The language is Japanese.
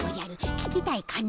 聞きたいかの？